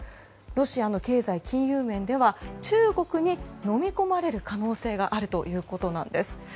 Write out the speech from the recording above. ロシアの経済・金融面では中国にのみこまれる可能性があるということです。